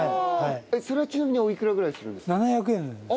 それはちなみにおいくらぐらいするんですか？